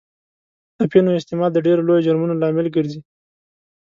اپینو استعمال د ډېرو لویو جرمونو لامل ګرځي.